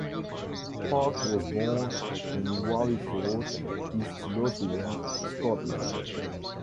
Park was born in Wallyford, East Lothian, Scotland.